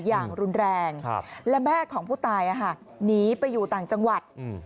อย่างรุนแรงและแม่ของผู้ตายหนีไปอยู่ต่างจังหวัด